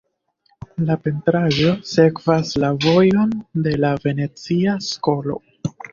La pentraĵo sekvas la vojon de la venecia skolo.